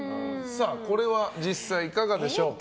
これは実際いかがでしょうか？